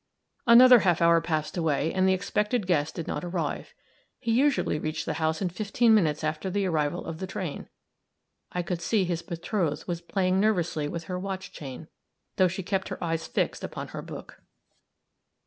Another half hour passed away and the expected guest did not arrive. He usually reached the house in fifteen minutes after the arrival of the train; I could see that his betrothed was playing nervously with her watch chain, though she kept her eyes fixed upon her book.